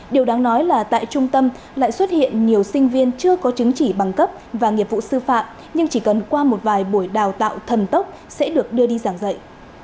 điều đáng nói là tại trung tâm lại xuất hiện nhiều sinh viên chưa có chứng chỉ bằng cấp và nghiệp vụ sư phạm nhưng chỉ cần qua một vài buổi đào tạo thần tốc sẽ được đưa đi giảng dạy